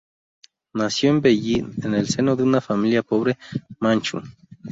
Nació en Beijing en el seno de una familia pobre manchú.